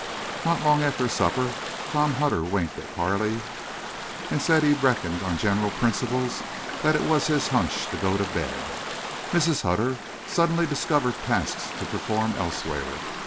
Not long after supper Tom Hutter winked at Carley and said he "reckoned on general principles it was his hunch to go to bed." Mrs. Hutter suddenly discovered tasks to perform elsewhere.